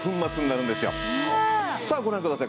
さあご覧ください。